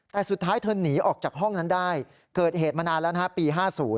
แต่สุดท้ายเธอหนีออกจากห้องนั้นได้เกิดเหตุมานานแล้วนะฮะปี๕๐